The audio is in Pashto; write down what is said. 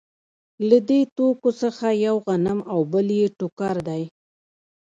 له دې توکو څخه یو غنم او بل یې ټوکر دی